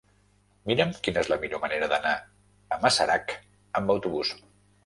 Mira'm quina és la millor manera d'anar a Masarac amb autobús.